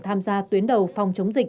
tham gia tuyến đầu phòng chống dịch